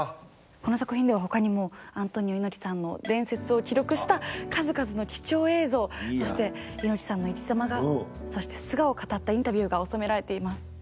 この作品ではほかにもアントニオ猪木さんの伝説を記録した数々の貴重映像そして猪木さんの生きざまがそして素顔を語ったインタビューが収められています。